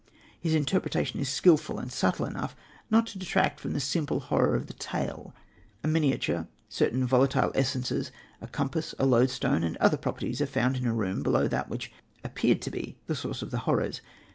His interpretation is skilful and subtle enough not to detract from the simple horror of the tale. A miniature, certain volatile essences, a compass, a lodestone and other properties are found in a room below that which appeared to be the source of the horrors.